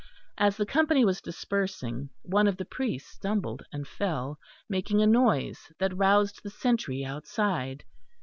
As the company was dispersing one of the priests stumbled and fell, making a noise that roused the sentry outside.